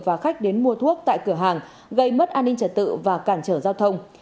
và khách đến mua thuốc tại cửa hàng gây mất an ninh trật tự và cản trở giao thông